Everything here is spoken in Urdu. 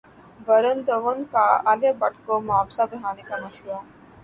ورن دھون کا عالیہ بھٹ کو معاوضہ بڑھانے کا مشورہ